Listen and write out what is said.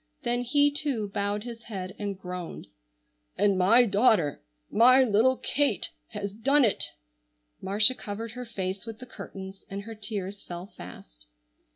Then he too bowed his head and groaned. "And my daughter, my little Kate has done it!" Marcia covered her face with the curtains and her tears fell fast.